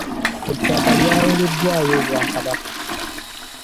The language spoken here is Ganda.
Ettaka lyaweereddwayo Obwakabaka.